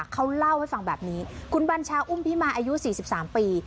เขาเล่าให้ฟังแบบนี้คุณบัญชาอุ้มพิมาอายุ๔๓ปี